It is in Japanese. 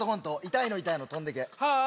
痛いの痛いの飛んでけ！